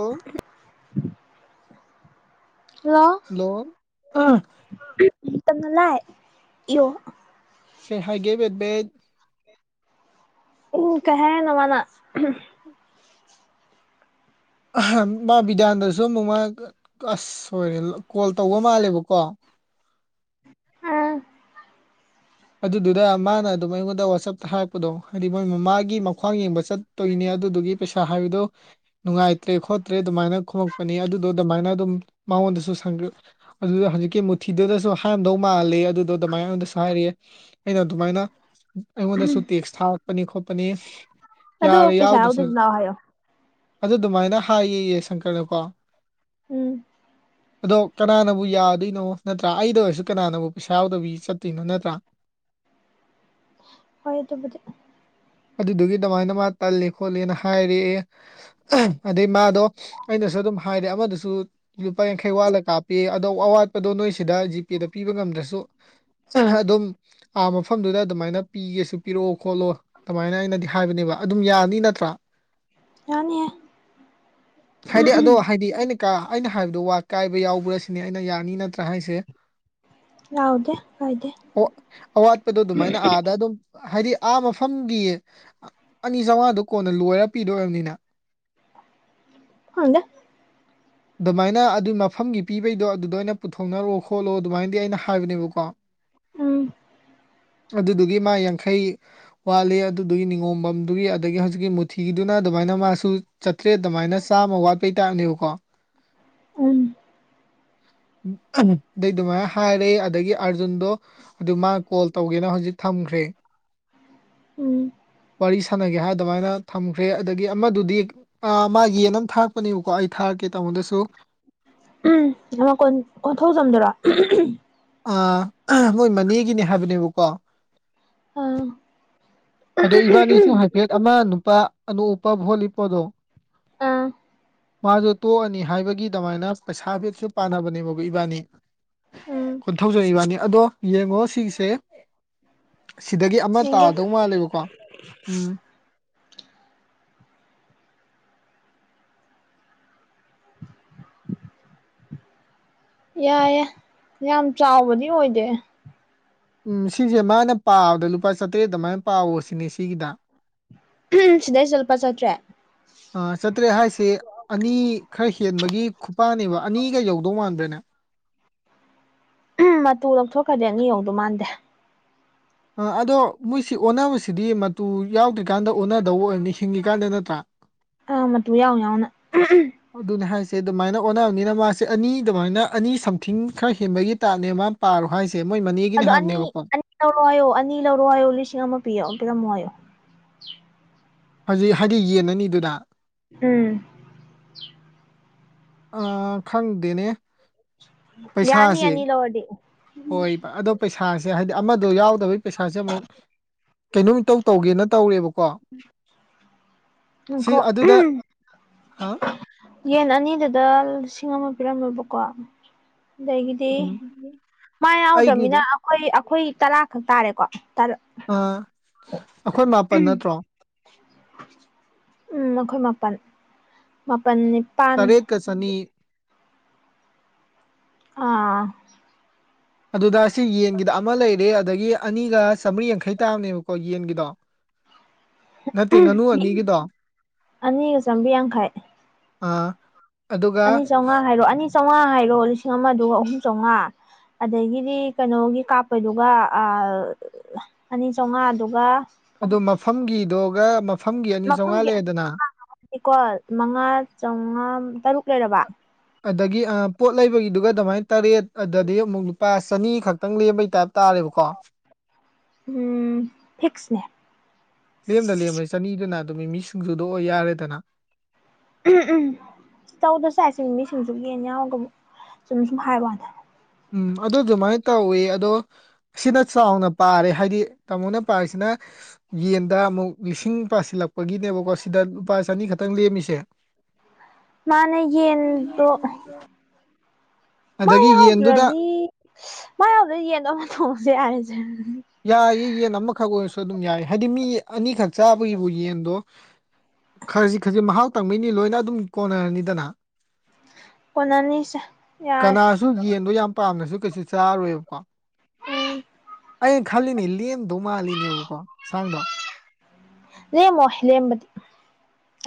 ꯑꯣ ꯍꯜꯂꯣ ꯍꯜꯂꯣꯅꯂ ꯌꯣ ꯀꯩ ꯍꯥꯏꯒꯦꯕꯦꯠꯕꯦꯠ ꯎꯝ ꯀꯦꯅ ꯑꯃꯅ ꯃꯥ ꯕꯤꯗꯥꯟꯗꯁꯨ ꯑꯃꯨꯛ ꯃꯥ ꯑꯁ ꯁꯣꯦ ꯀꯣꯜ ꯇꯧꯕ ꯃꯥꯜꯂꯦꯕꯀꯣ ꯑꯥ ꯑꯗꯨꯗꯨꯗ ꯃꯥꯅ ꯑꯗꯨꯝ ꯑꯩꯉꯣꯟꯗ ꯋꯥꯆꯞꯇ ꯍꯥꯏꯔꯛꯄꯗꯣ ꯍꯥꯏꯗꯤ ꯃꯣꯏ ꯃꯃꯥꯒꯤ ꯃꯈ꯭ꯋꯥꯡ ꯌꯦꯡꯕ ꯆꯠ ꯇꯧꯔꯤꯅꯦ ꯑꯗꯨꯗꯨꯒꯤ ꯄꯩꯁꯥ ꯍꯥꯏꯕꯗꯣ ꯅꯨꯡꯉꯥꯏꯇ꯭ꯔꯦ ꯈꯣꯠꯇ꯭ꯔꯦ ꯑꯗꯨꯃꯥꯏꯅ ꯈꯣꯃꯛꯄꯅꯤ ꯑꯗꯨꯗꯣ ꯑꯗꯨꯃꯥꯏꯅ ꯑꯗꯨꯝ ꯃꯉꯣꯟꯗꯁꯨ ꯑꯗꯨꯗ ꯍꯧꯖꯤꯛꯀꯤ ꯃꯨꯊꯤꯗꯨꯗꯁꯨ ꯍꯥꯏꯔꯝꯗꯧ ꯃꯥꯂꯦ ꯑꯗꯨꯗꯣ ꯑꯗꯨꯃꯥꯏꯅꯉꯣꯟꯗꯁꯨ ꯍꯥꯏꯔꯛꯑꯦ ꯑꯩꯅ ꯑꯗꯨꯃꯥꯏꯅ ꯑꯩꯉꯣꯟꯗꯁꯨ ꯇꯦꯛꯁ ꯊꯥꯔꯛꯄꯅꯤ ꯈꯣꯠꯄꯅꯤ ꯑꯗꯣ ꯌꯥꯔꯦ ꯄꯩꯁꯥ ꯌꯥꯎꯗ꯭ꯔꯁꯨ ꯂꯥꯛꯑꯣ ꯍꯥꯏꯌꯣ ꯑꯗꯨ ꯑꯗꯨꯃꯥꯏꯅ ꯍꯥꯏꯌꯦꯌꯦ ꯁꯪꯀꯔꯅꯀꯣ ꯎꯝ ꯑꯗꯣ ꯀꯅꯥꯅꯕꯨ ꯌꯥꯗꯣꯏꯅꯣ ꯅꯠꯇ꯭ꯔꯥ ꯑꯩꯗ ꯑꯣꯏꯔꯁꯨ ꯀꯅꯥꯅꯕꯨ ꯄꯩꯁꯥ ꯌꯥꯎꯗꯕꯤ ꯆꯠꯇꯣꯏꯅꯣ ꯅꯠꯇ꯭ꯔꯥ ꯍꯣꯏ ꯑꯗꯨ ꯑꯗꯨꯗꯨꯒꯤ ꯑꯗꯨꯃꯥꯏꯅ ꯃꯥ ꯇꯜꯂꯤ ꯈꯣꯠꯂꯤꯅ ꯍꯥꯏꯔꯛꯑꯦ ꯑꯗꯩ ꯃꯥꯗꯣ ꯑꯩꯅꯁꯨ ꯑꯗꯨꯝ ꯍꯥꯏꯔꯦ ꯑꯃꯗꯁꯨ ꯂꯨꯄꯥ ꯌꯥꯡꯈꯩ ꯋꯥꯠꯂ ꯀꯥꯞꯄꯤ ꯑꯗꯣ ꯑꯋꯥꯠꯄꯗꯣ ꯅꯣꯏꯁꯤꯗ ꯖꯤꯄꯦꯗ ꯄꯤꯕ ꯉꯝꯗ꯭ꯔꯁꯨ ꯑꯗꯨꯝ ꯑꯥ ꯃꯐꯝꯗꯨꯗ ꯑꯗꯨꯃꯥꯏꯅ ꯄꯤꯒꯦꯁꯨ ꯄꯤꯔꯛꯑꯣ ꯈꯣꯠꯂꯣ ꯑꯗꯨꯃꯥꯏꯅ ꯑꯩꯅꯗꯤ ꯍꯥꯏꯕꯅꯦꯕ ꯑꯗꯨꯝ ꯌꯥꯅꯤ ꯅꯠꯇ꯭ꯔꯥ ꯌꯥꯅꯤꯌꯦ ꯍꯥꯏꯗꯤ ꯑꯗꯣ ꯍꯥꯏꯗꯤ ꯑꯩꯅ ꯀ ꯑꯩꯅ ꯍꯥꯏꯕꯗꯣ ꯋꯥ ꯀꯥꯏꯕ ꯌꯥꯎꯕ꯭ꯔ ꯁꯤꯅꯦ ꯑꯩꯅ ꯌꯥꯅꯤ ꯅꯠꯇ꯭ꯔꯥ ꯍꯥꯏꯁꯦ ꯍꯥꯎꯗꯦ ꯍꯥꯏꯗꯦ ꯑꯣ ꯑꯋꯥꯠꯄꯗꯣ ꯑꯗꯨꯃꯥꯏꯅ ꯑꯥꯗ ꯑꯗꯨꯝ ꯍꯥꯏꯗꯤ ꯑꯥ ꯃꯐꯝꯒꯤ ꯑꯅꯤ ꯆꯥꯝꯃꯉꯥꯗꯨ ꯀꯣꯟꯅ ꯂꯣꯏꯔ ꯄꯤꯗꯣꯏꯕꯅꯤꯅ ꯈꯪꯗꯦ ꯑꯗꯨꯃꯥꯏꯅ ꯑꯗꯨ ꯃꯐꯝꯒꯤ ꯄꯤꯕꯩꯗꯣ ꯑꯗꯨꯗ ꯑꯩꯅ ꯄꯨꯊꯣꯛꯅꯔꯣ ꯈꯣꯠꯂꯣ ꯑꯗꯨꯃꯥꯏꯅꯗꯤ ꯑꯩꯅ ꯍꯥꯏꯕꯅꯦꯕꯀꯣ ꯎꯝ ꯑꯗꯨꯗꯨꯒꯤ ꯃꯥ ꯌꯥꯡꯈꯩ ꯋꯥꯠꯂꯤ ꯑꯗꯨꯗꯨꯒꯤ ꯅꯤꯉꯣꯝꯕꯝꯗꯨꯒꯤ ꯑꯗꯒꯤ ꯍꯧꯖꯤꯛꯀꯤ ꯃꯨꯊꯤꯒꯤꯗꯨꯅ ꯑꯗꯨꯃꯥꯏꯅ ꯃꯥꯁꯨ꯫ ꯆꯥꯇ꯭ꯔꯦ ꯑꯗꯨꯃꯥꯏꯅ ꯆꯥꯝꯃ ꯋꯥꯠꯄꯩ ꯇꯥꯛꯞꯅꯦꯕꯀꯣ꯫ ꯎꯟ꯫ ꯎꯝ ꯑꯍꯝ ꯑꯗꯩ ꯑꯗꯨꯃꯥꯏꯅ ꯍꯥꯏꯔꯑꯦ ꯑꯗꯒꯤ ꯑꯥꯔꯖꯨꯟꯗꯣ꯫ ꯑꯗꯨ ꯃꯥ ꯀꯣꯜ ꯇꯧꯒꯦꯅ ꯍꯧꯖꯤꯛ ꯊꯝꯈ꯭ꯔꯦ ꯎꯝ ꯋꯥꯔꯤ ꯁꯥꯟꯅꯒꯦ ꯍꯥꯏ꯫ ꯑꯗꯨꯃꯥꯏꯅ ꯊꯝꯈ꯭ꯔꯦ ꯑꯗꯒꯤ ꯑꯃꯗꯨꯗꯤ꯫ ꯑ ꯃꯥꯒꯤꯅꯝ ꯊꯥꯔꯛꯄꯅꯦꯕꯀꯣ ꯑꯩ ꯊꯥꯔꯛꯀꯦ ꯇꯥꯃꯣꯗꯁꯨ꯫ ꯎꯝ ꯑꯃ ꯀꯣꯟꯊꯣꯡ ꯆꯝꯗꯔꯣ꯫ ꯑ ꯃꯣꯏ ꯃꯅꯦꯒꯤꯅꯦ ꯍꯥꯏꯕꯅꯦꯕꯀꯣ ꯑꯥ ꯑꯗꯣ ꯏꯕꯥꯅꯤꯁꯨ ꯍꯥꯏꯐꯦꯠ ꯑꯃ ꯅꯨꯄꯥ ꯑꯅꯣꯛ ꯎꯄ ꯚꯣꯠ ꯂꯦꯞꯄꯗꯣ ꯑꯥ ꯃꯥꯁꯨ ꯇꯣꯛꯑꯅꯤ ꯍꯥꯏꯕꯒꯤ ꯑꯗꯨꯃꯥꯏꯅ ꯄꯩꯁꯥꯐꯤꯠꯁꯨ ꯄꯥꯅꯕꯅꯦꯕ ꯏꯕꯥꯅꯤ ꯎꯝ ꯀꯣꯟꯊꯧꯖꯝ ꯏꯕꯥꯅꯤ ꯑꯗꯣ ꯌꯦꯡꯉꯣ ꯁꯤꯒꯤꯁꯦ ꯁꯤꯗꯒꯤ ꯑꯃ ꯌꯦꯡꯒꯦ ꯇꯥꯗꯧ ꯃꯥꯜꯂꯦꯕꯀꯣ ꯎꯝ ꯌꯥꯏꯑꯦ ꯌꯥꯝ ꯆꯥꯎꯕꯗꯤ ꯑꯣꯏꯗꯦ ꯎꯝ ꯁꯤꯁꯦ ꯃꯥꯅ ꯄꯥꯕꯗ ꯂꯨꯄꯥ ꯆꯥꯇꯔꯦꯠ ꯑꯗꯨꯃꯥꯏꯅ ꯄꯥꯑꯣ ꯁꯤꯅꯦ ꯁꯤꯒꯤꯗ ꯁꯤꯗꯩꯁꯤ ꯂꯨꯄꯥ ꯆꯠꯇ꯭ꯔꯦ꯫ ꯑ ꯆꯇ꯭ꯔꯦ ꯍꯥꯏ꯫ꯁꯤ ꯑꯅꯤ ꯈꯔ ꯍꯦꯟꯕꯒꯤ ꯈꯨꯄꯥꯅꯦꯕ ꯑꯅꯤꯒ ꯌꯧꯗꯧ ꯃꯥꯟꯗ꯭ꯔꯦꯅꯦ꯫ ꯎꯝ ꯃꯇꯨ ꯂꯧꯊꯣꯛꯈ꯭ꯔꯗꯤ ꯑꯅꯤ ꯌꯧꯗꯧ ꯃꯥꯟꯗꯦ꯫ ꯍꯣ ꯑꯗꯣ ꯃꯣꯏꯁꯤ ꯑꯣꯟꯅꯕꯁꯤꯗꯤ ꯃꯇꯨ ꯌꯥꯎꯗ꯭ꯔꯤꯀꯥꯟꯗ ꯑꯣꯟꯅꯗꯧꯕ ꯑꯣꯏꯔꯝꯅꯤ ꯍꯤꯡꯉꯤꯀꯥꯟꯗ ꯅꯠꯇ꯭ꯔꯥ꯫ ꯥ ꯑ ꯃꯇꯨ ꯌꯥꯎ ꯌꯥꯎꯅ꯫ ꯑꯗꯨꯅꯦ ꯍꯥꯏꯁꯦ ꯑꯗꯨꯃꯥꯏꯅ ꯑꯣꯟꯅꯕꯅꯤꯅ ꯃꯥꯁꯦ ꯑꯅꯤ ꯑꯗꯨꯃꯥꯏꯅ ꯑꯅꯤ ꯁꯝꯊꯤꯡ ꯈꯔ ꯍꯦꯟꯕꯒꯤ ꯇꯥꯏꯞꯅꯦ ꯃꯥꯅ ꯄꯥꯔꯣ ꯍꯥꯏꯁꯦ꯫ ꯑꯦꯃꯣꯏ ꯃꯅꯦ꯫ ꯑꯗꯣ ꯑꯅꯤ ꯑꯅꯤ ꯂꯧꯔꯣ ꯍꯥꯏꯌꯣ ꯑꯅꯤ ꯂꯧꯔꯣ ꯍꯥꯏꯌꯣ ꯂꯤꯁꯤꯡ ꯑꯃ ꯄꯤꯌꯣ ꯄꯤꯔꯝꯃꯣ ꯍꯥꯏꯌꯣ꯫ ꯍꯧꯖꯤꯛ ꯍꯥꯏꯗꯤ ꯌꯦꯟ ꯑꯅꯤꯗꯨꯅ꯫ ꯎꯝ꯫ ꯑꯥ ꯈꯪꯗꯦꯅꯦ ꯌꯥꯅꯤ ꯄꯩꯁꯥꯁꯦ ꯑꯅꯤ ꯂꯧꯔꯗꯤ ꯍꯣꯏ ꯑꯗꯣ꯫ ꯄꯩꯁꯥꯁꯦ ꯍꯥꯏꯗꯤ ꯑꯃꯗꯣ ꯌꯥꯎꯗꯕꯒꯤ ꯄꯩꯁꯥꯁꯦ ꯑꯃꯨꯛ ꯀꯩꯅꯣꯝ ꯏꯇꯧ ꯇꯧꯒꯦꯅ ꯇꯧꯔꯦꯕꯀꯣ꯫ ꯁꯤ ꯅꯪꯀꯣ꯫ ꯑꯗꯨꯗ ꯍꯥ ꯌꯦꯟ ꯑꯅꯤꯗꯨꯗ ꯂꯤꯁꯤꯡ ꯑꯃ ꯄꯤꯔꯝꯃꯦꯕꯀꯣ ꯑꯗꯒꯤꯗꯤ꯫ ꯎꯝ ꯃꯥ ꯑꯩꯒꯤꯗꯣ ꯌꯥꯎꯗ꯭ꯔꯝꯅꯤꯅ ꯑꯩꯈꯣꯏ ꯑꯩꯈꯣꯏ ꯇꯔꯥꯈꯛ ꯇꯥꯔꯦꯀꯣ꯫ ꯑ ꯑꯩꯈꯣꯏ ꯃꯥꯄꯟ ꯅꯠꯇ꯭ꯔꯣ꯫ ꯎꯝ ꯑꯩꯈꯣꯏ ꯃꯥꯄꯜ ꯃꯥꯄꯜ꯫ ꯅꯤꯄꯥꯜ ꯇꯔꯦꯠꯀ ꯆꯅꯤ꯫ ꯑꯥ꯫ ꯑꯗꯨꯗ ꯁꯤ ꯌꯦꯟꯒꯤꯗ ꯑꯃ ꯂꯩꯔꯦ ꯑꯗꯒꯤ ꯑꯅꯤꯒ ꯆꯥꯝꯃ꯭ꯔꯤ ꯌꯥꯡꯈꯩ ꯇꯥꯕꯅꯦꯕꯀꯣ ꯌꯦꯟꯒꯤꯗꯣ꯫ ꯅꯠꯇꯦ ꯉꯥꯅꯨ ꯑꯅꯤꯒꯤꯗꯣ꯫ ꯑꯅꯤꯒ ꯆꯥꯝꯃꯔꯤ ꯌꯥꯡꯈꯩ ꯑ ꯑꯗꯨꯒ꯫ ꯑꯅꯤ ꯆꯥꯝꯃꯉꯥ ꯍꯥꯏꯔꯣ ꯑꯅꯤ ꯆꯥꯝꯃꯉ ꯍꯥꯏꯔꯣ ꯂꯤꯁꯤꯡ ꯑꯃꯗꯨꯒ ꯑꯍꯨꯝ ꯆꯥꯝꯃꯉꯥ꯫ ꯑꯗꯒꯤꯗꯤ ꯀꯩꯅꯣꯒꯤ ꯀꯥꯞꯄꯗꯨꯒ ꯑꯥ꯫ ꯑꯅꯤ ꯆꯥꯝꯃꯉꯥ ꯑꯗꯨꯒ꯫ ꯑꯗꯨ ꯃꯐꯝꯒꯤꯗꯨꯒ ꯃꯐꯝꯒꯤ ꯑꯅꯤ ꯆꯥꯝꯃꯉꯥ ꯂꯩꯕꯦꯗꯅ꯫ ꯑꯗꯨꯗꯤꯀꯣ ꯃꯉꯥ ꯆꯥꯝꯃꯉꯥ ꯇꯔꯨꯛ ꯂꯩꯔꯕ꯫ ꯑꯗꯒꯤ ꯄꯣꯠ ꯂꯩꯕꯒꯤꯗꯨꯒ ꯑꯗꯨꯃꯥꯏꯅ ꯇꯔꯦꯠ ꯑꯗꯗꯤ ꯑꯃꯨꯛ ꯂꯨꯄꯥ ꯆꯅꯤ ꯈꯛ꯫ ꯈꯤꯇꯪ ꯂꯦꯝꯕꯒꯤ ꯇꯥꯏꯞ ꯇꯥꯔꯦꯕꯀꯣ꯫ ꯎꯝ ꯐꯤꯛꯁꯅꯦ꯫ ꯂꯦꯝꯗ ꯂꯦꯝꯃꯦ ꯆꯅꯤꯗꯨꯅ ꯑꯗꯨꯝ ꯃꯤ ꯃꯤ ꯁꯤꯡꯖꯨꯗꯣ ꯑꯣꯏ ꯌꯥꯔꯦꯗꯅ꯫ ꯎ ꯎꯝ ꯇꯧꯗꯔꯁꯨꯁꯦ ꯃꯤꯃꯤ ꯁꯤꯡꯖꯨ ꯌꯦꯟꯅꯤ ꯍꯥꯎꯕꯒꯤ ꯆꯨꯝꯅ ꯁꯨꯝ ꯍꯥꯏꯕ ꯋꯥꯅꯤ꯫ ꯎꯝ ꯑꯗꯨ ꯑꯗꯨꯃꯥꯏꯅ ꯇꯧꯌꯦ ꯑꯗꯣ꯫ ꯁꯤꯅ ꯆꯥꯎꯅ ꯄꯥꯔꯦ ꯍꯥꯏꯗꯤ ꯇꯥꯃꯣꯅ ꯄꯥꯔꯤꯁꯤꯅ꯫ ꯌꯦꯟꯗ ꯑꯃꯨꯛ ꯂꯤꯁꯤꯡ ꯄꯥꯁꯤꯜꯂꯛꯄꯒꯤꯅꯦꯕꯀꯣ ꯁꯤꯗ ꯂꯨꯄꯥ ꯆꯅꯤ ꯈꯛꯇꯪ ꯂꯦꯝꯃꯤꯁꯦ꯫ ꯃꯥꯟꯅꯦ ꯌꯦꯟꯗꯣ꯫ ꯃꯥ ꯑꯗꯒꯤ ꯌꯦꯟꯗꯨꯗ ꯌꯥꯎꯗ꯭ꯔꯗꯤ ꯃꯥ ꯌꯥꯎꯗ꯭ꯔꯗꯤ ꯌꯦꯟꯗꯣ ꯑꯃ ꯊꯣꯡꯉꯁꯨ ꯌꯥꯔꯦꯁꯦ꯫ ꯌꯥꯏꯌꯦ ꯌꯦꯟ ꯑꯃꯈꯛ ꯑꯣꯏꯔꯁꯨ ꯑꯗꯨꯝ ꯌꯥꯏ ꯍꯥꯏꯗꯤ ꯃꯤ ꯑꯅꯤꯈꯛ ꯆꯥꯕꯒꯤꯕꯨ ꯌꯦꯟꯗꯣ ꯈꯖꯤꯛ ꯈꯖꯤꯛ ꯃꯍꯥꯎ ꯇꯪꯕꯩꯗꯤ ꯂꯣꯏꯅ ꯑꯗꯨꯝ ꯀꯣꯟꯅꯔꯅꯤꯗꯅ ꯀꯣꯟꯅꯅꯤꯁꯦ ꯌꯥꯔꯅꯤ ꯗꯨ ꯌꯦꯟꯗꯣ ꯌꯥꯝ ꯄꯥꯝꯅꯁꯨ ꯀꯩꯁꯨ ꯆꯥꯔꯣꯏꯕ ꯎꯝ꯫ ꯑꯩꯅ ꯈꯜꯂꯤꯅꯦ ꯂꯦꯝꯗꯧ ꯃꯥꯜꯂꯤꯅꯦꯕꯀꯣ ꯁꯥꯡꯗꯣ꯫ ꯂꯦꯝꯃꯣ ꯂꯦꯝꯕꯗꯤ꯫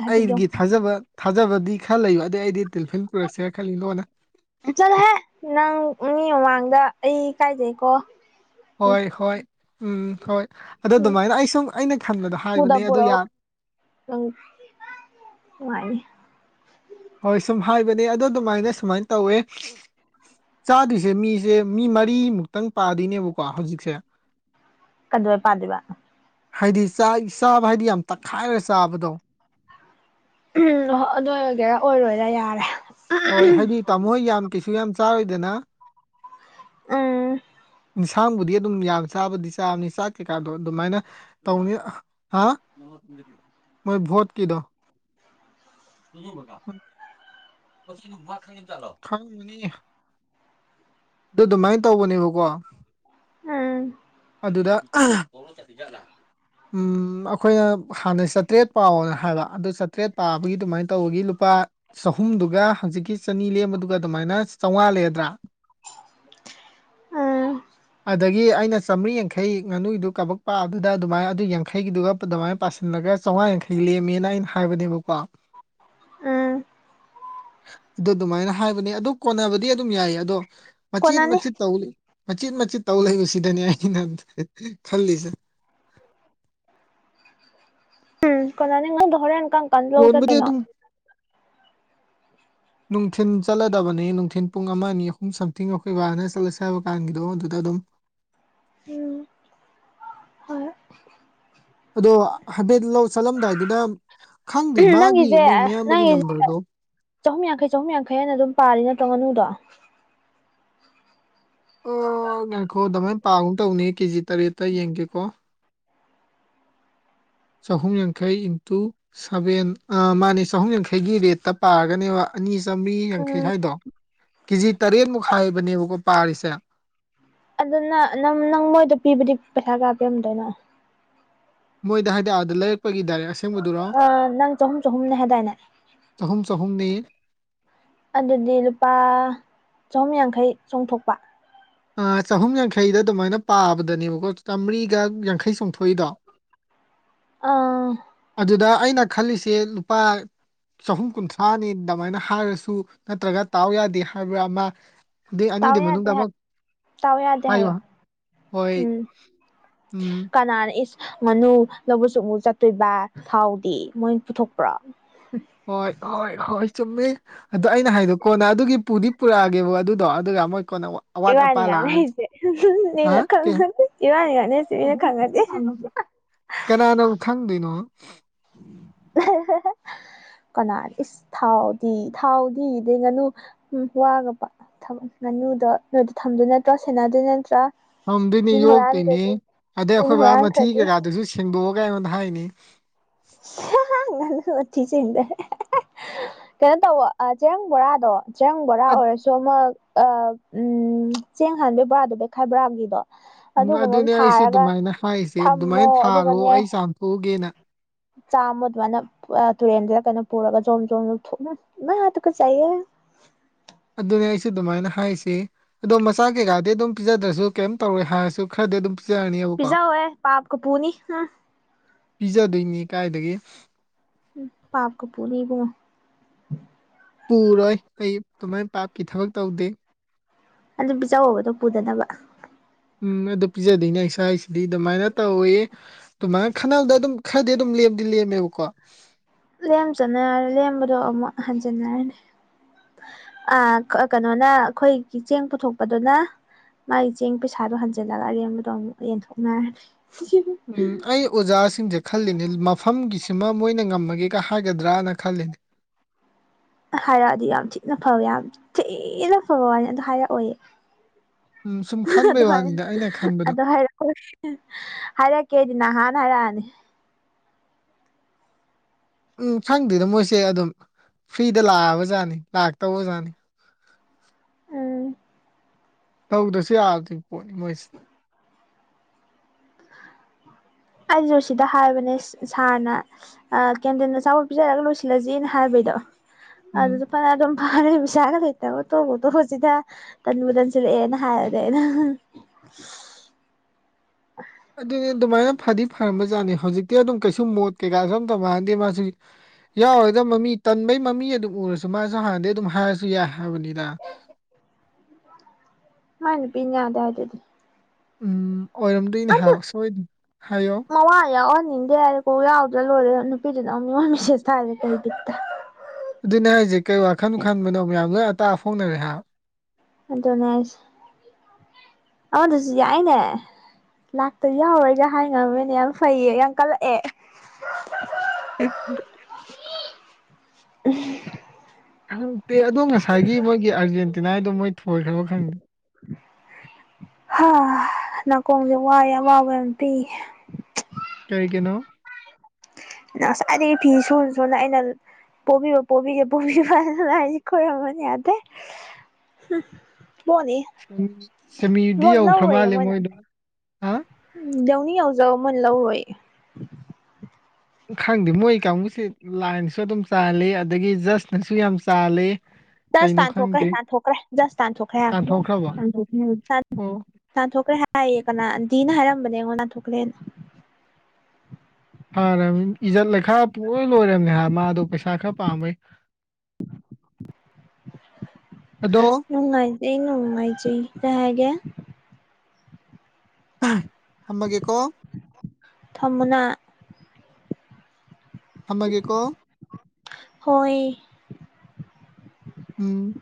ꯍꯥꯏꯕꯤꯒꯦ ꯑꯩꯒꯤ ꯊꯥꯖꯕ ꯊꯥꯖꯕꯗꯤ ꯈꯔ ꯂꯩꯌꯕ ꯑꯗꯩ ꯑꯩꯗꯤ ꯇꯤꯂꯤꯐꯤꯟ ꯄꯨꯔꯛꯁꯦꯔ ꯈꯜꯂꯤ ꯂꯣꯟꯅ꯫ ꯆꯠꯂꯣꯍꯦ ꯅꯪ ꯃꯤ ꯃꯃꯥꯡꯗ ꯑꯩ ꯏꯀꯥꯏꯖꯩꯀꯣ ꯍꯣꯏ ꯍꯣꯏ ꯎꯝ ꯍꯣꯏ ꯑꯗꯣ ꯑꯗꯨꯃꯥꯏꯅ ꯑꯩ ꯁꯨꯝ ꯑꯩꯅ ꯈꯟꯕꯗ ꯍꯥꯏꯕꯅꯦ ꯑꯗꯨ ꯌꯥ ꯑꯪ ꯅꯨꯡꯉꯥꯏꯌꯦ ꯍꯣꯏ ꯁꯨꯝ ꯍꯥꯏꯕꯅꯦ ꯑꯗꯣ ꯑꯗꯨꯃꯥꯏꯅ ꯁꯨꯃꯥꯏꯅ ꯇꯧꯋꯦ ꯆꯥꯗꯣꯏꯁꯦ ꯃꯤꯁꯦ ꯃꯤ ꯃꯔꯤꯃꯨꯛꯇꯪ ꯄꯥꯗꯣꯏꯅꯦꯕꯀꯣ ꯍꯧꯖꯤꯛꯁꯦ [inaudible] ꯀꯩꯗꯧꯕꯩ ꯄꯥꯗꯣꯏꯕ ꯍꯥꯏꯗꯤ ꯆꯥꯏ ꯆꯥꯕ ꯍꯥꯏꯗꯤ ꯌꯥꯝ ꯇꯛꯈꯥꯏꯔ ꯆꯥꯕꯗꯣ ꯎꯝ ꯍꯣ ꯑꯗꯨ ꯑꯣꯏꯒꯦꯔꯥ ꯑꯣꯏꯔꯣꯏꯔꯥ ꯌꯥꯔꯦ ꯍꯣꯏ ꯍꯥꯏꯗꯤ ꯇꯥꯃꯣ ꯍꯣꯏ ꯌꯥꯝ ꯀꯩꯁꯨ ꯌꯥꯝ ꯆꯥꯔꯣꯏꯗꯅ ꯎꯝ ꯏꯟꯁꯥꯡꯕꯨꯗꯤ ꯑꯗꯨꯝ ꯌꯥꯝ ꯆꯥꯕꯗꯤ ꯆꯥꯕꯅꯦ ꯆꯥꯛ ꯀꯩꯀꯥꯗꯣ ꯑꯗꯨꯃꯥꯏꯅ ꯇꯧꯅꯤ ꯍꯥ ꯃꯣꯏ ꯚꯣꯠ ꯀꯤꯗꯣ [unintelligible] ꯑꯗꯨ ꯑꯗꯨꯃꯥꯏꯅ ꯇꯧꯕꯅꯦꯕꯀꯣ ꯎꯝ ꯑꯗꯨꯗ ꯎꯝ ꯑꯩꯈꯣꯏꯅ ꯍꯥꯟꯅ ꯆꯥꯇ꯭ꯔꯦꯠ ꯄꯥꯎꯅ ꯍꯥꯏꯕ ꯑꯗꯨ ꯆꯥꯇ꯭ꯔꯦꯠ ꯄꯥꯕꯒꯤ ꯑꯗꯨꯃꯥꯏꯅ ꯇꯧꯕꯒꯤ ꯂꯨꯄꯥ ꯆꯍꯨꯝꯗꯨꯒ ꯍꯧꯖꯤꯛꯀꯤ ꯆꯅꯤ ꯂꯦꯝꯕꯗꯨꯒ ꯑꯗꯨꯃꯥꯏꯅ ꯆꯥꯝꯃꯉꯥ ꯂꯩꫪꯗ꯭ꯔꯥ ꯑꯥ ꯑꯗꯒꯤ ꯑꯩꯅ ꯆꯥꯝꯃꯔꯤ ꯌꯥꯡꯈꯩ ꯉꯥꯅꯨꯒꯤꯗꯨ ꯀꯕꯛ ꯄꯥꯛꯕꯗꯨꯗ ꯑꯗꯨꯃꯥꯏꯅ ꯑꯗꯨ ꯌꯥꯡꯈꯩꯒꯤꯗꯨꯒ ꯑꯗꯨꯃꯥꯏꯅ ꯄꯥ ꯁꯜꯂꯒ ꯆꯥꯝꯃꯉꯥ ꯌꯥꯡꯈꯩ ꯂꯦꯝꯃꯦꯅ ꯑꯩꯅ ꯍꯥꯏꯕꯅꯦꯕꯀꯣ ꯎꯝ ꯑꯗꯨ ꯑꯗꯨꯃꯥꯏꯅ ꯍꯥꯏꯕꯅꯦ ꯑꯗꯨ ꯀꯣꯟꯅꯕꯗꯤ ꯑꯗꯨꯝ ꯌꯥꯏ ꯑꯗꯣ ꯃꯆꯤꯠ ꯀꯣꯟꯅꯅꯤ ꯃꯆꯤꯠ ꯇꯧ ꯃꯆꯤꯠ ꯃꯆꯤꯠ ꯇꯧ ꯂꯩꯕꯁꯤꯗꯅꯦ ꯑꯩꯅ ꯈꯜꯂꯤꯁꯦ ꯎꯝ ꯀꯣꯟꯅꯅꯤ ꯉꯥꯅꯨꯗꯣ ꯍꯣꯏꯔ‌‌ꯦꯟ ꯀꯣꯟꯕꯨꯗꯤ ꯑꯗꯨꯝ ꯅꯨꯡꯊꯤꯟ ꯆꯠꯂꯗꯕꯅꯤ ꯅꯨꯡꯊꯤꯟ ꯄꯨꯡ ꯑꯃ ꯑꯅꯤ ꯑꯍꯨꯝ ꯁꯝꯊꯤꯡ ꯑꯩꯈꯣꯏ ꯕꯥꯅ ꯆꯠꯂꯁꯦ ꯍꯥꯏꯕ ꯀꯥꯟꯒꯤꯗꯣ ꯑꯗꯨꯗ ꯑꯗꯨꯝ ꯎꯝ ꯍꯣꯏ ꯑꯗꯣ ꯍꯥꯏꯐꯦꯠꯇꯤ ꯂꯧ ꯆꯠꯂꯝꯗꯥꯏꯗꯨꯗ ꯈꯪꯗꯦ ꯃꯥꯒꯤ ꯅꯪꯒꯤꯁꯦ ꯃꯣꯏ ꯃꯌꯥꯝꯕꯒꯤ ꯅꯪꯒꯤꯁꯦ ꯅꯝꯕꯔꯗꯣ ꯆꯍꯨꯝ ꯌꯥꯡꯈꯩ ꯆꯍꯨꯝ ꯌꯥꯡꯈꯩ ꯍꯥꯏꯅ ꯑꯗꯨꯝ ꯄꯥꯔꯤ ꯅꯠꯇ꯭ꯔꯣ ꯉꯥꯅꯨꯗꯣ ꯑꯣ ꯉꯥꯏꯈꯣ ꯑꯗꯨꯃꯥꯏꯅ ꯄꯥꯒꯨꯝ ꯇꯧꯕꯅꯤ ꯀꯦꯖꯤ ꯇꯔꯦꯠꯇ ꯌꯦꯡꯒꯦꯀꯣ ꯆꯍꯨꯝ ꯌꯥꯡꯈꯩ ꯏꯟꯇꯨ ꯁꯚꯦꯟ ꯑ ꯃꯥꯅꯦ ꯆꯍꯨꯝ ꯌꯥꯡꯈꯩꯒꯤ ꯔꯦꯠꯇ ꯄꯥꯔꯒꯅꯦꯕ ꯑꯅꯤ ꯆꯥꯝꯔꯤ ꯌꯥꯡꯈꯩ ꯎꯝ ꯍꯥꯏꯗꯣ ꯀꯦꯖꯤ ꯇꯔꯦꯠꯃꯨꯛ ꯍꯥꯏꯕꯅꯦꯕꯀꯣ ꯄꯥꯔꯤꯁꯦ ꯑꯗꯨꯅ ꯅꯪ ꯅꯪ ꯃꯣꯏꯗ ꯄꯤꯕꯗꯤ ꯄꯩꯁꯥ ꯀꯌꯥ ꯄꯤꯔꯝꯗꯣꯏꯅꯣ ꯃꯣꯏꯗ ꯍꯥꯏꯗꯤ‌ ꯑꯗꯥ ꯂꯩꯔꯛꯄꯒꯤꯗꯥꯏꯔꯛ ꯑꯁꯦ ꯑ ꯅꯪ ꯆꯍꯨꯝ ꯆꯍꯨꯝꯅꯦ ꯍꯥꯏꯗꯥꯏꯅꯦ ꯆꯍꯨꯝ ꯆꯍꯨꯝꯅꯤ ꯑꯗꯨꯗꯤ ꯂꯨꯄꯥ ꯆꯍꯨꯝ ꯌꯥꯡꯈꯩ ꯆꯣꯡꯊꯣꯛ ꯑ ꯆꯍꯨꯝ ꯌꯥꯡꯈꯩꯗꯨ ꯑꯗꯨꯃꯥꯏꯅ ꯄꯥꯕꯗꯅꯦꯕꯀꯣ ꯆꯥꯝꯃꯔꯤꯒ ꯌꯥꯡꯈꯩ ꯆꯣꯡꯊꯣꯛꯏꯗꯣ [unintelligible] ꯑꯥ ꯑꯗꯨꯗ ꯑꯩꯅ ꯈꯜꯂꯤꯁꯦ ꯂꯨꯄꯥ ꯆꯍꯨꯝ ꯀꯨꯟꯊ꯭ꯔꯥꯅꯦ ꯗꯃꯥꯏꯅ ꯍꯥꯏꯔꯁꯨ ꯅꯠꯇ꯭ꯔꯒ ꯇꯥꯎ ꯌꯥꯗꯦ ꯍꯥꯏꯕ꯭ꯔꯥ ꯑꯃ ꯑꯗꯨꯢ ꯇꯥꯎ ꯑꯅꯤꯗꯨꯢ ꯌꯥꯗꯦ ꯃꯅꯨꯡꯗ ꯍꯥꯏ ꯑꯃꯛ ꯇꯥꯎ ꯌꯥꯗꯦ ꯍꯥꯏꯌꯣ ꯍꯣꯏ ꯎꯝ ꯎꯝ ꯀꯅꯥꯅ ꯢꯁ ꯉꯥꯅꯨ ꯂꯧꯕꯁꯨ ꯑꯃꯨ ꯆꯠꯇꯣꯏꯕ ꯊꯥꯎꯗꯤ ꯃꯣꯏ ꯄꯨꯊꯣꯛꯄ꯭ꯔꯣ ꯍꯣꯏ ꯍꯣꯏ ꯍꯣꯏ ꯆꯨꯝꯃꯦ ꯑꯗꯣ ꯑꯩꯅ ꯍꯥꯏꯗꯣ ꯀꯣꯟꯅ ꯑꯗꯨꯒꯤ ꯄꯨꯗꯤ ꯄꯨꯔꯛꯑꯒꯦꯕ ꯑꯗꯨꯗꯣ ꯑꯗꯨꯒ ꯃꯣꯏ ꯀꯣꯟꯅ ꯑꯋꯥꯠ ꯏꯕꯥꯟꯅꯤ ꯑꯄꯥ ꯂꯥꯛꯑ ꯉꯥꯡꯅꯩꯁꯦ ꯍꯥ ꯃꯤꯅ ꯀꯩ ꯈꯪꯉꯗꯤ ꯏꯕꯥꯟꯅꯤ ꯉꯥꯟꯅꯩꯁꯦ ꯃꯤꯅ ꯈꯪꯉꯗꯤ ꯀꯅꯥꯅ ꯕꯨ ꯈꯪꯗꯣꯏꯅꯣ ꯀꯅꯥ ꯏꯁ ꯊꯥꯎꯗꯤ ꯊꯥꯎꯗꯤ [unintelligible] ꯉꯥꯅꯨꯗꯣ ꯅꯣꯏꯗ ꯊꯝꯗꯣꯏ ꯅꯠꯇ꯭ꯔꯥ ꯁꯦꯟꯅꯗꯣꯏ ꯅꯠꯇ꯭ꯔꯥ ꯊꯝꯗꯣꯏꯅꯦ ꯃꯤꯅ ꯌꯣꯛꯇꯣꯏꯅꯦ ꯍꯨꯔꯥꯟꯗ꯭ꯔꯗꯤ ꯑꯗꯩ ꯃꯤꯅ ꯑꯩꯈꯣꯏ ꯕꯥ ꯃꯊꯤ ꯍꯨꯔꯥꯟꯈ꯭ꯔꯗꯤ ꯀꯩꯀꯥꯗꯨꯁꯨ ꯁꯦꯡꯗꯣꯛꯑꯒ ꯑꯩꯉꯣꯟꯗ ꯍꯥꯏꯅꯤ ꯉꯥꯅꯨ ꯃꯊꯤ ꯁꯦꯡꯗꯣꯔꯦ ꯀꯩꯅꯣ ꯇꯧꯋꯣ ꯆꯔꯦꯡ ꯕꯣꯔꯥꯗꯣ ꯆꯦꯔꯪ ꯕꯣꯔꯥ ꯑꯣꯏꯔꯁꯨ ꯑꯃꯨꯛ ꯆꯦꯡ ꯍꯥꯟꯕꯩ ꯕꯣꯔꯥꯗꯣ ꯕꯦꯛꯈꯥꯏ ꯕꯣꯔꯥꯒꯤꯗꯣ ꯎꯝ ꯑꯗꯨꯒꯨꯝꯕ ꯑꯃ ꯑꯗꯨꯅꯦ ꯑꯩꯁꯨ ꯊꯥꯔꯒ ꯑꯗꯨꯃꯥꯏꯅ ꯍꯥꯏꯖꯦ ꯊꯝꯃꯣ ꯗꯨꯃꯥꯏꯅ ꯊꯥꯔꯣ ꯑꯩ ꯆꯥꯝꯊꯣꯛꯎꯒꯦꯅ ꯆꯥꯝꯃꯣ ꯑꯗꯨꯃꯥꯏꯅ ꯇꯨꯔꯦꯟꯗꯨꯗ ꯀꯩꯅꯣ ꯄꯨꯔꯒ ꯖꯣꯝ ꯖꯣꯝ ꯢꯃꯥ ꯢꯃꯥ ꯇꯨꯀꯠꯆꯩꯌꯦ ꯑꯗꯨꯅꯦ ꯑꯩꯁꯨ ꯑꯗꯨꯃꯥꯏꯅ ꯍꯥꯏꯁꯦ ꯑꯗꯣ ꯃꯆꯥ ꯀꯩꯀꯥꯗꯤ ꯑꯗꯨꯝ ꯄꯤꯖꯗ꯭ꯔꯁꯨ ꯀꯩꯝ ꯇꯧꯔꯦꯢ ꯍꯥꯏꯔꯁꯨ ꯈꯔꯗꯤ ꯑꯗꯨꯝ ꯄꯤꯖꯔꯅꯦꯕꯀꯣ ꯄꯤꯖꯧꯍꯦ ꯄꯥꯞ ꯀꯄꯨꯨꯅꯤ ꯄꯤꯖꯗꯣꯏꯅꯦ ꯀꯥꯏꯗꯒꯤ ꯄꯥꯞꯀ ꯄꯨꯅꯤ ꯢꯕꯨꯡꯉꯣ ꯄꯨꯔꯣꯏ ꯑꯩ ꯑꯗꯨꯃꯥꯏ ꯄꯥꯞꯀꯤ ꯊꯕꯛ ꯇꯧꯗꯦ ꯑꯗꯨ ꯄꯖꯧꯕ ꯑꯗꯨ ꯄꯨꯗꯅꯕ ꯎꯝ ꯑꯗꯨ ꯄꯤꯖꯗꯣꯏꯅꯦ ꯑꯩꯁꯨ ꯍꯥꯏꯁꯤꯗꯤ ꯑꯗꯨꯃꯥꯏꯅ ꯇꯧꯋꯦ ꯑꯗꯨꯃꯥꯏꯅ ꯈꯅꯥꯕꯗ ꯑꯗꯨꯝ ꯈꯔꯗꯤ ꯑꯗꯨꯝ ꯂꯦꯝꯗꯤ ꯂꯦꯝꯃꯦꯕꯀꯣ ꯂꯦꯝꯖꯅ ꯂꯦꯝꯕꯗꯣ ꯑꯃꯨꯛ ꯍꯟꯖꯟꯅꯔꯅꯤ ꯑ ꯀꯩꯅꯣꯅ ꯑꯩꯈꯣꯏꯒꯤ ꯆꯦꯡ ꯄꯨꯊꯣꯛꯄꯗꯨꯅ ꯃꯥꯒꯤ ꯆꯦꯡ ꯄꯩꯁꯥꯗꯨꯣ ꯍꯟꯖꯤꯜꯂꯒ ꯑꯔꯦꯝꯕꯗꯣ ꯑꯃꯨꯛ ꯌꯦꯟꯊꯣꯛꯅꯔꯅꯤ ꯎꯝ ꯑꯩ ꯑꯣꯖꯥꯁꯤꯡꯖꯦ ꯈꯜꯂꯤꯅꯦ ꯃꯐꯝꯒꯤꯁꯤꯃ ꯃꯣꯏꯅ ꯉꯝꯃꯒꯦꯒ ꯍꯥꯏꯒꯗ꯭ꯔꯅ ꯈꯜꯂꯤꯅꯦ ꯍꯥꯏꯔꯛꯑꯗꯤ ꯌꯥꯝ ꯊꯤꯅ ꯐꯕ ꯌꯥꯝ ꯊꯤꯅ ꯐꯕ ꯋꯥꯅꯦ ꯑꯗꯨ ꯍꯥꯏꯔꯛꯑꯣꯢꯌꯦ ꯎꯝ ꯁꯨꯝ ꯈꯟꯕꯩ ꯑꯗꯨ ꯍꯥꯢꯔ ꯋꯥꯅꯤꯗ ꯑꯩꯅ ꯈꯟꯕꯗꯣ ꯑꯗꯨ ꯍꯥꯏꯔꯛꯑꯣꯢ ꯍꯥꯏꯔꯛꯀꯦꯗꯤ ꯅꯍꯥꯟꯅ ꯍꯥꯏꯔꯑꯅꯤ ꯎꯝ ꯈꯪꯗꯦꯏꯗ ꯃꯣꯏꯁꯦ ꯑꯗꯨꯝ ꯐ꯭ꯔꯤꯗ ꯂꯥꯛꯑꯕꯖꯥꯅꯤ ꯂꯥꯛꯇꯧꯕꯖꯥꯅꯤ ꯎꯝ ꯇꯧꯗ꯭ꯔꯁꯨ ꯌꯥꯔꯗꯣꯏ ꯄꯣꯠꯅꯤ ꯃꯣꯏꯁꯦ ꯑꯩ ꯖꯣꯁꯤꯗ ꯍꯥꯏꯕꯅꯦ ꯁꯥꯔꯅ ꯀꯦꯟꯗꯤꯟ ꯑꯆꯥꯕꯣꯠ ꯄꯤꯖꯔꯒ ꯂꯣꯏꯁꯤꯜꯂꯁꯤꯅ ꯍꯥꯏꯕꯩꯗꯣ ꯎꯝ ꯑꯗꯨ ꯐꯅꯗꯨꯝ ꯐꯔꯦ ꯄꯩꯁꯥꯒ ꯂꯩꯇꯕ ꯇꯣꯛꯇꯨꯝ ꯇꯣꯛꯑꯁꯤꯗ ꯇꯟꯕꯨ ꯇꯟꯖꯟꯂꯛꯑꯦꯅ ꯍꯥꯏꯕꯅꯦ ꯑꯩꯅ ꯑꯗꯨꯅꯦ ꯑꯗꯨꯃꯥꯏꯅ ꯐꯗꯤ ꯐꯔꯝꯕꯖꯥꯅꯤ ꯍꯧꯖꯤꯛꯇꯤ ꯑꯗꯨꯝ ꯀꯩꯁꯨ ꯃꯣꯠ ꯀꯩꯀꯥꯖꯦ ꯑꯝꯇ ꯃꯥꯟꯅꯗꯦ ꯃꯥꯁꯨ ꯌꯥꯎꯔꯦꯢꯗ ꯃꯃꯤ ꯇꯟꯕꯩ ꯃꯃꯤ ꯑꯗꯨꯝ ꯎꯔꯁꯨ ꯃꯥꯁꯨ ꯍꯥꯟꯅꯗꯩ ꯑꯗꯨꯝ ꯍꯥꯏꯔꯁꯨ ꯌꯥꯏ ꯍꯥꯏꯕꯅꯤꯗ ꯃꯥꯢ ꯅꯨꯄꯤꯅ ꯌꯥꯗꯦ ꯍꯥꯢꯗꯨꯗꯤ ꯎꯝ ꯑꯣꯏꯔꯝꯗꯣꯏꯅꯦ ꯍꯥꯏ ꯁꯣꯏꯗ ꯍꯥꯏꯌꯣ ꯉꯔꯥꯡ ꯌꯥꯎꯍꯟꯅꯤꯡꯗꯦ ꯍꯥꯏꯔꯗꯤ ꯀꯣꯛ ꯌꯥꯎꯗ꯭ꯔ ꯂꯣꯏꯔꯦ ꯅꯨꯄꯤꯗꯨꯅ ꯑꯃꯨꯛ ꯃꯤꯁꯦꯁ ꯊꯥꯏꯔꯦ ꯀꯩ ꯕꯤꯠꯇ ꯑꯗꯨꯅꯦ ꯍꯥꯏꯔꯤꯖꯦ ꯀꯩ ꯋꯥꯈꯟꯕꯨ ꯈꯟꯕꯅꯣ ꯃꯌꯥꯝ ꯂꯣꯏ ꯑꯇꯥꯛ ꯑꯐꯣꯡꯅꯔꯦ ꯍꯥꯏꯕ ꯑꯗꯨꯅꯦ ꯍꯥꯢꯁꯦ ꯑꯃꯗꯨꯁꯨ ꯌꯥꯏꯅꯦ ꯂꯥꯛꯇ ꯌꯥꯎꯔꯒ ꯍꯥꯏ ꯉꯝꯃꯤꯅ ꯌꯥꯝ ꯐꯩꯌꯦ ꯌꯥꯝ ꯀꯜꯂꯛꯑꯦ [inaudible] ꯎ ꯈꯪꯗꯦ ꯑꯗꯣ ꯉꯁꯥꯏꯒꯤ ꯃꯣꯏꯒꯤ ꯑꯥꯔꯖꯦꯟꯇꯤꯅꯥꯏꯗꯣ ꯃꯣꯏ ꯊꯣꯏꯈ꯭ꯔꯕ ꯈꯪꯗꯦ ꯍꯥ ꯅꯥꯀꯣꯡꯁꯦ ꯋꯥꯏ ꯑꯋꯥꯕ ꯌꯥꯝ ꯄꯤ ꯇꯔꯤ ꯀꯅꯣ ꯑꯁꯥꯏꯗꯤ ꯐꯤ ꯁꯨ ꯁꯨꯅ ꯑꯩꯅ ꯄꯣꯕꯤꯕ ꯄꯕꯤꯒꯦ ꯄꯣꯕꯤꯕꯅ ꯂꯥꯢꯁꯤ ꯈꯣꯔꯝꯕꯅꯤ ꯌꯥꯗꯦ ꯍꯨꯝ ꯃꯣꯠꯅꯤ ꯁꯦꯃꯤ ꯁꯦꯃꯤꯔꯗꯤ ꯃꯣꯠ ꯌꯧꯈ꯭ꯔ ꯃꯥꯜꯂꯦ ꯃꯣꯏꯗꯣ ꯍꯥ ꯎꯝ ꯌꯧꯅꯤꯡ ꯌꯧꯖꯧ ꯃꯣꯢꯅ ꯂꯧꯔꯣꯏꯌꯦ ꯈꯪꯗꯦ ꯃꯣꯏ ꯀꯥꯡꯕꯨꯁꯦ ꯂꯥꯏꯅꯁꯨ ꯑꯗꯨꯝ ꯆꯥꯜꯂꯤ ꯑꯗꯒꯤ ꯖꯁꯅꯁꯨ ꯌꯥꯝ ꯆꯥꯜꯂꯤ ꯖꯁ ꯀꯩꯅꯣ ꯇꯥꯟꯊꯣꯛꯈ꯭ꯔꯦ ꯈꯪꯗꯦ ꯇꯥꯟꯊꯣꯛꯈ꯭ꯔꯦ ꯖꯁ ꯇꯥꯟꯊꯣꯛꯈ꯭ꯔꯦ ꯍꯥꯏꯝ ꯇꯥꯟꯊꯣꯛꯈ꯭ꯔꯕ ꯇꯥꯟ ꯑꯣ ꯇꯥꯟꯊꯣꯛꯈ꯭ꯔꯦ ꯍꯥꯏꯌꯦ ꯀꯅꯥ ꯑꯟꯗꯤꯅ ꯍꯥꯏꯔꯝꯕꯅꯦ ꯑꯩꯉꯣꯟꯗ ꯇꯥꯟꯊꯣꯛꯈ꯭ꯔꯦꯅ ꯐꯔ ꯏꯖꯠ ꯂꯩꯈꯥ ꯄꯨꯡ ꯂꯣꯏ ꯂꯣꯏꯔꯕꯅꯦ ꯍꯥꯏ ꯃꯥꯗꯣ ꯄꯩꯁꯥ ꯈꯔ ꯄꯥꯝꯃꯩ ꯑꯗꯣ ꯣꯡꯃꯥꯏꯖ ꯅꯣꯡꯃꯥꯏꯁ ꯀ ꯍꯥꯏꯒ ꯊꯝꯃꯒꯦꯀꯣ ꯊꯝꯃꯨꯅꯥ ꯊꯝꯃꯒꯦꯀꯣ ꯍꯣꯏ ꯎꯝ